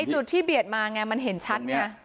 จุดที่เบียดมาไงมันเห็นชัดไง